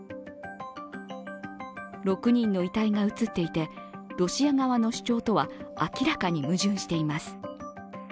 ６人の遺体が映っていて、ロシア側の主張とは明らかに矛盾しています。